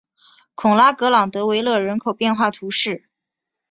孔拉格朗德维勒人口变化图示